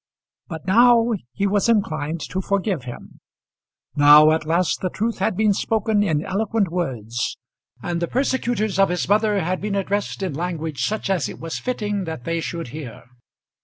But now he was inclined to forgive him. Now at last the truth had been spoken in eloquent words, and the persecutors of his mother had been addressed in language such as it was fitting that they should hear.